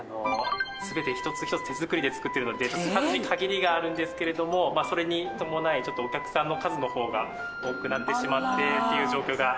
全て一つ一つ手作りで作ってるので数に限りがあるんですけれどもそれに伴いお客さんの数の方が多くなってしまってっていう状況が。